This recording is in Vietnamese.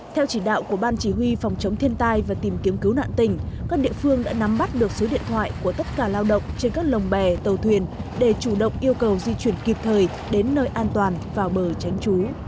theo chỉ đạo của ban chỉ huy phòng chống thiên tai và tìm kiếm cứu nạn tỉnh các địa phương đã nắm bắt được số điện thoại của tất cả lao động trên các lồng bè tàu thuyền để chủ động yêu cầu di chuyển kịp thời đến nơi an toàn vào bờ tránh trú